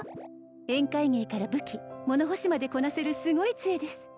宴会芸から武器物干しまでこなせるすごい杖です